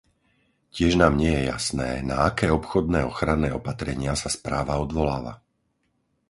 Tiež nám nie je jasné, na aké obchodné ochranné opatrenia sa správa odvoláva.